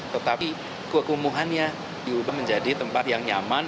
tetapi kekumuhannya diubah menjadi tempat yang nyaman